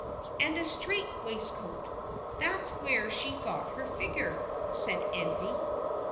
"And a strait waistcoat. That's where she got her figure," said Envy.